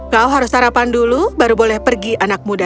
kau harus sarapan dulu baru boleh pergi anak muda